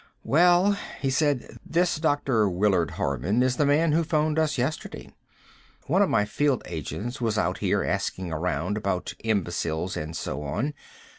"Well," he said, "this Dr. Willard Harman is the man who phoned us yesterday. One of my field agents was out here asking around about imbeciles and so on.